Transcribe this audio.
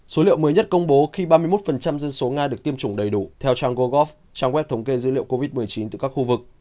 số liệu mới nhất công bố khi ba mươi một dân số nga được tiêm chủng đầy đủ theo trang gogov trang web thống kê dữ liệu covid một mươi chín từ các khu vực